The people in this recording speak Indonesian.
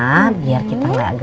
telepon mama biar kita gak ganggu